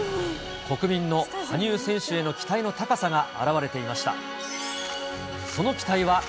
国民の羽生選手への期待の高さが表れていました。